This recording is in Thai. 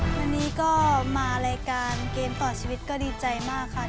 วันนี้ก็มารายการเกมต่อชีวิตก็ดีใจมากค่ะ